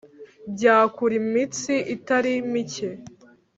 byakura imitsi itari micye